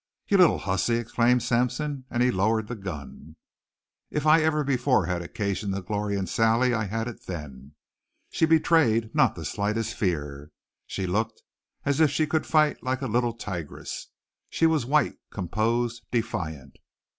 "You little hussy!" exclaimed Sampson, and he lowered the gun. If I ever before had occasion to glory in Sally I had it then. She betrayed not the slightest fear. She looked as if she could fight like a little tigress. She was white, composed, defiant.